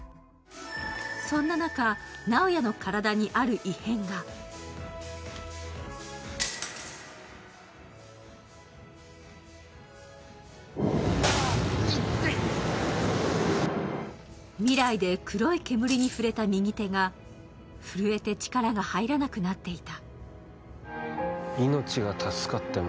そんな中、直哉の体にある異変が未来で黒い煙に触れた右手が震えて力が入らなくなっていた。